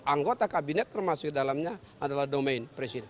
anggota kabinet termasuk dalamnya adalah domain presiden